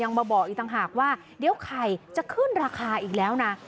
มาบอกอีกต่างหากว่าเดี๋ยวไข่จะขึ้นราคาอีกแล้วนะ